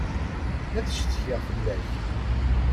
Ad ccetkiɣ fell-ak.